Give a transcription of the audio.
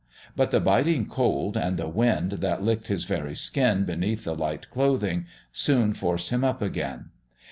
But the biting cold, and the wind that licked his very skin beneath the light clothing, soon forced him up again.